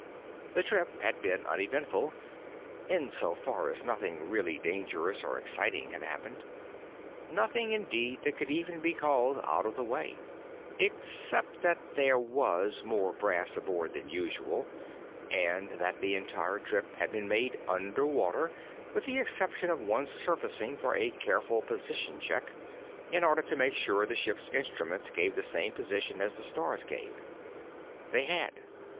The trip had been uneventful, in so far as nothing really dangerous or exciting had happened. Nothing, indeed, that could even be called out of the way except that there was more brass aboard than usual, and that the entire trip had been made underwater with the exception of one surfacing for a careful position check, in order to make sure that the ship's instruments gave the same position as the stars gave. They had.